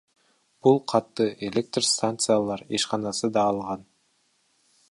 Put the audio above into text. Бул катты Электр станциялар ишканасы да алган.